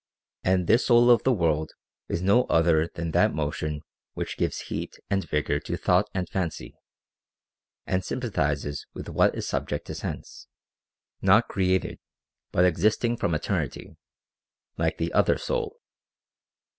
And this soul of the world is no other than that motion which gives heat and vigor to thought and fancy, and sympathizes with what is subject to sense, not created, but existing from eternity, like the other soul.